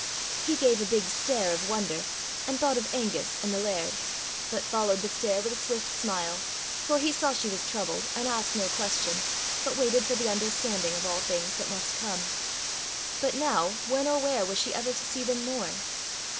He gave a big stare of wonder, and thought of Angus and the laird; but followed the stare with a swift smile, for he saw she was troubled, and asked no question, but waited for the understanding of all things that must come. But now, when or where was she ever to see them more?